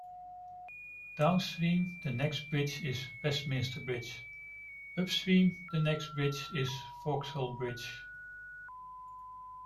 Downstream, the next bridge is Westminster Bridge; upstream, the next bridge is Vauxhall Bridge.